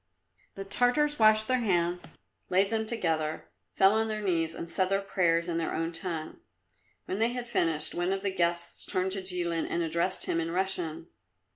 The Tartars washed their hands, laid them together, fell on their knees and said their prayers in their own tongue. When they had finished one of the guests turned to Jilin and addressed him in Russian.